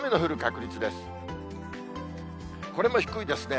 これも低いですね。